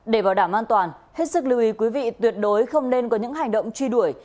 để bảo đảm an toàn hết sức lưu ý quý vị tuyệt đối không nên có những hành động truy đuổi